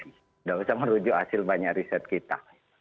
tidak usah merujuk hasil banyak riset kita